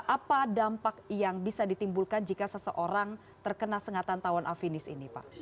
apa dampak yang bisa ditimbulkan jika seseorang terkena sengatan tawon afinis ini pak